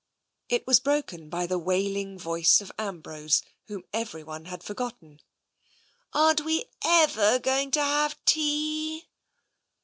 It was broken by the wailing voice of Ambrose, whom everyone had forgotten. " Aren't we ever going to have tea